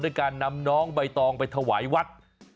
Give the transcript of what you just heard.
การนำน้องใบตองไปถวายวัด